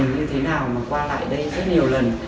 như thế nào mà qua lại đây rất nhiều lần